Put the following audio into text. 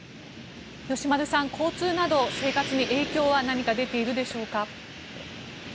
吉丸さん、交通など生活に何か影響は出ていますでしょうか。